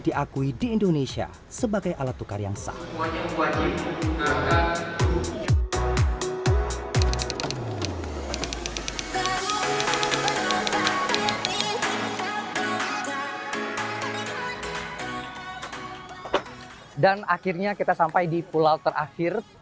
diakui di indonesia sebagai alat tukar yang sah dan akhirnya kita sampai di pulau terakhir